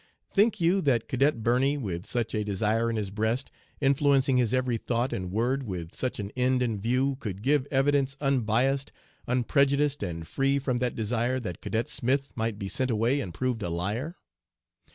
Think you that Cadet Birney, with such a desire in his breast, influencing his every thought and word, with such an end in view, could give evidence unbiassed, unprejudiced, and free from that desire that "Cadet Smith might be sent away and proved a liar?"